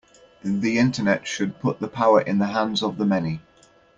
The Internet should put the power in the hands of the many.